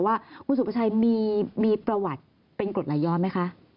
ว่าคุณสุประชัยมีประวัติเป็นกรดไหลย้อนไหมคะ